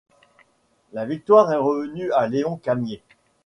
La victoire est revenue à Leon Camier.